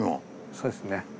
そうですね。